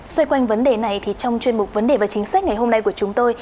xoay quanh vấn đề này thì trong chuyên mục vấn đề và chính sách ngày hôm nay của chúng tôi